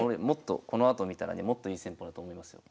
このあと見たらねもっといい戦法だと思いますよ。